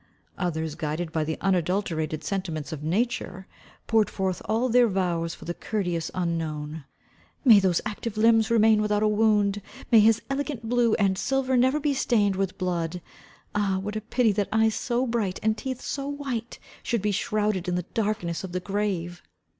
Others, guided by the unadulterated sentiments of nature, poured forth all their vows for the courteous unknown. "May those active limbs remain without a wound! May his elegant blue and silver never be stained with blood! Ah, what a pity, that eyes so bright, and teeth so white, should be shrowded in the darkness of the grave."